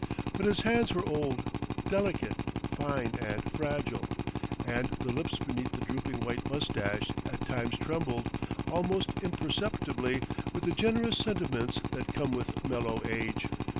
But his hands were old, delicate, fine and fragile; and the lips beneath the drooping white mustache at times trembled, almost imperceptibly, with the generous sentiments that come with mellow age.